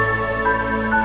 aku mau pergi